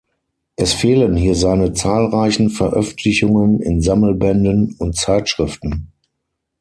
Es fehlen hier seine zahlreichen Veröffentlichungen in Sammelbänden und Zeitschriften.